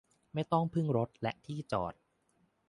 ไม่ต้องพึ่งรถและที่จอดรถ